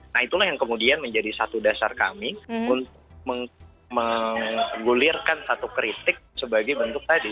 nah itulah yang kemudian menjadi satu dasar kami untuk menggulirkan satu kritik sebagai bentuk tadi